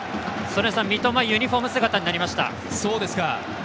三笘、ユニフォーム姿になりました。